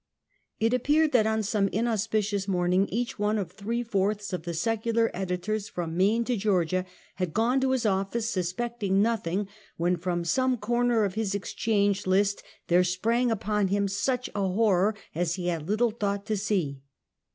It appeared that on some inauspicious morning each one of three fourths of the secular editors from Maine to Georgia had gone to his office suspecting nothing, when from some corner of his exchange list there sprang upon him such a horror as he had little thought to see.